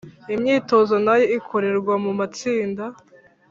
Imyitozo nayo ikorerwa mu matsinda.